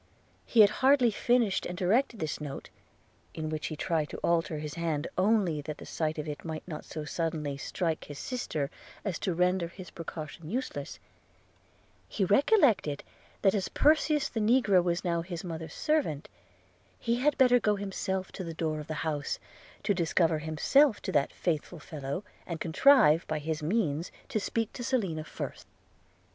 – He had hardly finished and directed this note, in which he tried to alter his hand only that the sight of it might not so suddenly strike his sister as to render his precaution useless, he recollected, that as Perseus the negro was now his mother's servant, he had better go himself to the door of the house; discover himself to that faithful fellow; and contrive, by his means, to speak to Selina first.